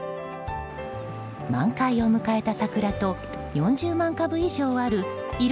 満開を迎えた桜と４０万株以上ある色